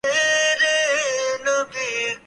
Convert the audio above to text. ایک پوزیشن ہے۔